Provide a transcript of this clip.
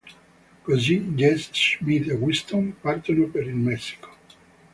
Così, Jess, Schmidt e Winston partono per il Messico.